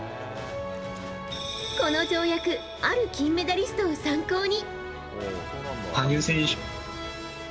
この跳躍ある金メダリストを参考に。